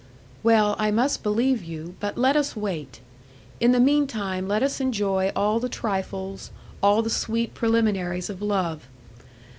"Well, I must believe you; but let us wait. In the meantime let us enjoy all the trifles, all the sweet preliminaries of love.